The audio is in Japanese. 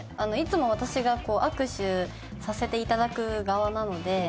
いつも私が握手させていただく側なので。